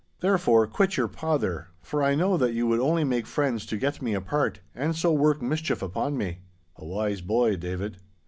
Therefore quit your pother, for I know that you would only make friends to get me apart, and so work mischief upon me.' A wise boy David.